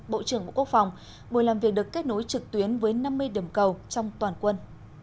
bộ trưởng bộ quốc phòng buổi làm việc được kết nối trực tuyến với năm mươi điểm cầu trong toàn quân